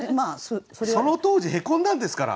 その当時へこんだんですから。